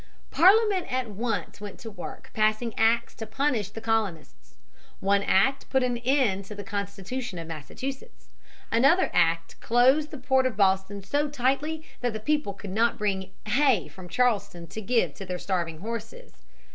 Parliament at once went to work passing acts to punish the colonists. One act put an end to the constitution of Massachusetts. Another act closed the port of Boston so tightly that the people could not bring hay from Charlestown to give to their starving horses.